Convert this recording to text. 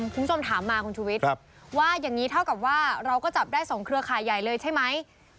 คุณผู้ชมถามมาคุณชุวิตว่าอย่างนี้เท่ากับว่าเราก็จับได้๒เครือข่ายใหญ่เลยใช่ไหม